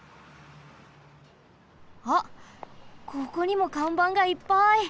あっここにもかんばんがいっぱい。